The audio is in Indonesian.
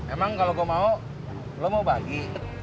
emang kalau gue mau lo mau bagi